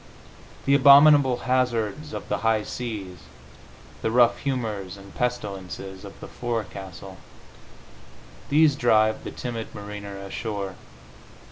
The abominable hazards of the high seas, the rough humors and pestilences of the forecastle these drive the timid mariner ashore....